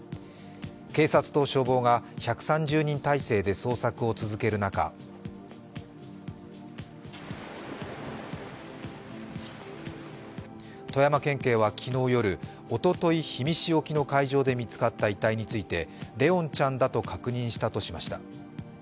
警察と消防が１３０人態勢で捜索を続ける中富山県警は昨日夜、おととい氷見市沖の海上で見つかった遺体について、怜音ちゃんだと確認したとしました。